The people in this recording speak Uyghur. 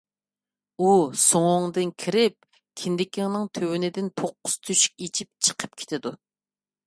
ئۇ سوڭۇڭدىن كىرىپ، كىندىكىڭنىڭ تۆۋىنىدىن توققۇز تۆشۈك ئېچىپ چىقىپ كېتىدۇ.